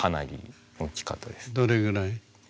どれぐらい？